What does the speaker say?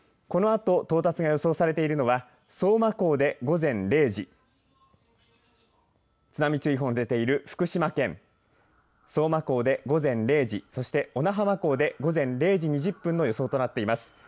このあと到達が予想されているのは相馬港で午前０時の津波注意報が出ている福島県相馬港で午前０時小名浜港で午前０時２０分の予想となっています。